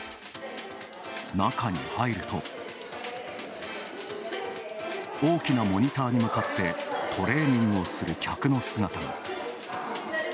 中に入ると大きなモニターに向かってトレーニングをする客の姿が。